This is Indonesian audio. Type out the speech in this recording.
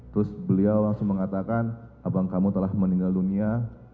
terus beliau langsung mengatakan abang kamu telah meninggal dunia